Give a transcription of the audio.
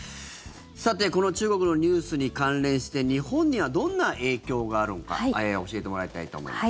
この中国のニュースに関連して日本にはどんな影響があるのか教えてもらいたいと思います。